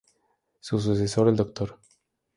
Su sucesor, el Dr.